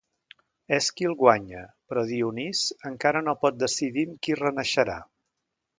Èsquil guanya, però Dionís encara no pot decidir amb qui renaixerà.